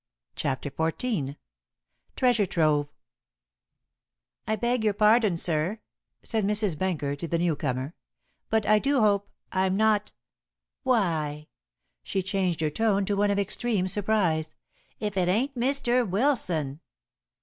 CHAPTER XIV TREASURE TROVE "I beg your pardon, sir," said Mrs. Benker to the new comer, "but I do hope I'm not Why" she changed her tone to one of extreme surprise "if it ain't Mr. Wilson!"